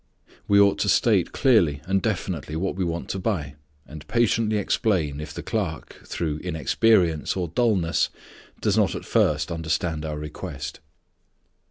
We ought to state clearly and definitely what we want to buy, and patiently explain if the clerk, through inexperience or dulness, does not at first understand our request.